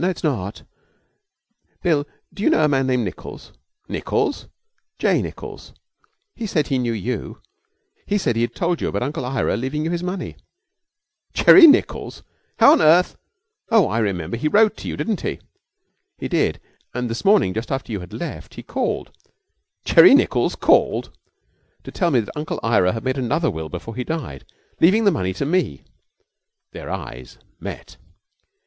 'No, it's not. Bill, do you know a man named Nichols?' 'Nichols?' 'J. Nichols. He said he knew you. He said he had told you about Uncle Ira leaving you his money.' 'Jerry Nichols! How on earth Oh, I remember. He wrote to you, didn't he?' 'He did. And this morning, just after you had left, he called.' 'Jerry Nichols called?' 'To tell me that Uncle Ira had made another will before he died, leaving the money to me.' Their eyes met.